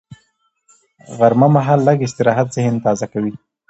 غرمه مهال لږ استراحت ذهن تازه کوي